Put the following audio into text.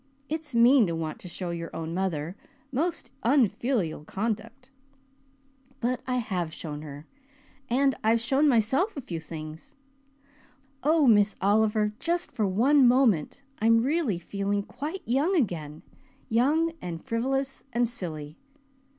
It's mean to want to show your own mother most unfilial conduct! But I have shown her. And I've shown myself a few things! Oh, Miss Oliver, just for one moment I'm really feeling quite young again young and frivolous and silly.